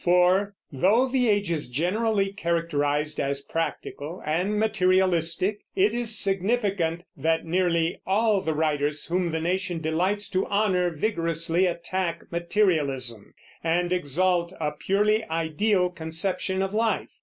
(4) Though the age is generally characterized as practical and materialistic, it is significant that nearly all the writers whom the nation delights to honor vigorously attack materialism, and exalt a purely ideal conception of life.